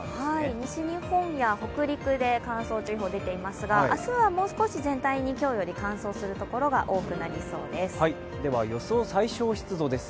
西日本や北陸で乾燥注意報出ていますが、明日はもう少し全体に今日より乾燥する所が多くなりそうです。